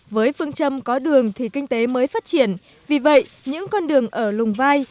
với phương châm có đường thì kinh tế mới phát triển vì vậy những con đường ở lùng vai